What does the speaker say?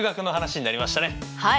はい。